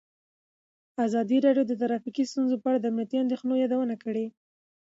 ازادي راډیو د ټرافیکي ستونزې په اړه د امنیتي اندېښنو یادونه کړې.